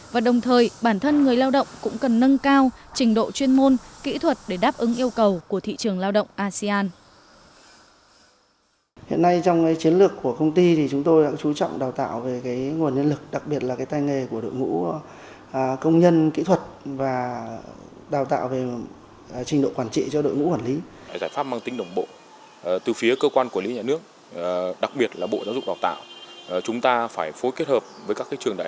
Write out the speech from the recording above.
và đồng thời bản thân người lao động cũng cần nâng cao trình độ chuyên môn kỹ thuật để đáp ứng yêu cầu của thị trường lao động asean